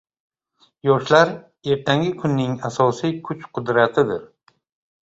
Yoshlar ertangi kunning asosiy kuch-qudratidir.